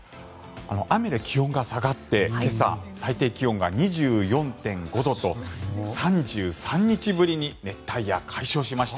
雨で気温が下がって今朝、最低気温が２４．５度と、３３日ぶりに熱帯夜解消しました。